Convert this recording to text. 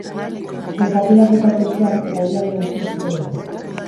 Izapideak bukatu ostean, epailearen esku utziko dute.